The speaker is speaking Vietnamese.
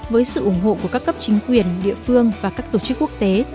với sự ủng hộ của các cấp chính quyền địa phương và các tổ chức quốc tế